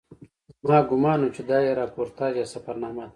زما ګومان و چې دا یې راپورتاژ یا سفرنامه ده.